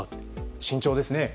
慎重ですね。